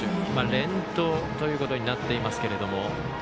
連投ということになっています。